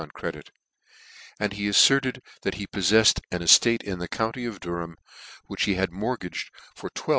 3 3 1 on credit ; and he averted that he poflefied an eflate in the county of Durham, which he had mortgaged for 1200!.